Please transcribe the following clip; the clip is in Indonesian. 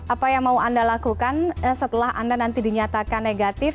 apa yang mau anda lakukan setelah anda nanti dinyatakan negatif